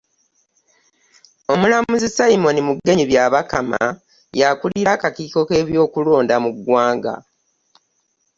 Omulamuzi Simon Mugyenyi Byabakama, y'akulira akakiiko k'ebyokulonda mu ggwanga.